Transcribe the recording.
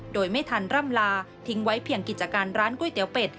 โดยไม่ทันร่ำลาทิ้งไว้เพียงกิจการร้านก๋วยเตี๋ยวเป็ด